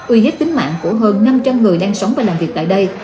uy hiếp tính mạng của hơn năm trăm linh người đang sống và làm việc tại đây